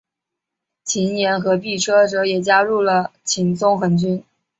秦彦和毕师铎也加入了秦宗衡军。